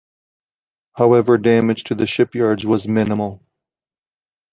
However damage to the shipyards was minimal.